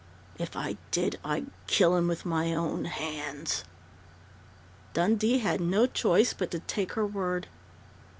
_ If I did, I'd kill him with my own hands!" Dundee had no choice but to take her word.